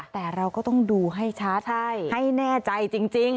แต่เราก็ต้องดูให้ชัดให้แน่ใจจริง